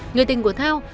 người tình của thao